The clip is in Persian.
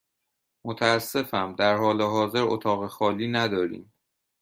متأسفم، در حال حاضر اتاق خالی نداریم.